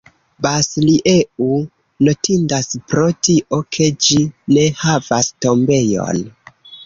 Bas-Lieu notindas pro tio, ke ĝi ne havas tombejon.